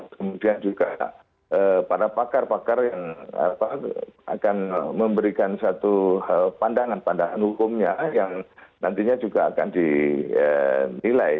kemudian juga para pakar pakar yang akan memberikan satu pandangan pandangan hukumnya yang nantinya juga akan dinilai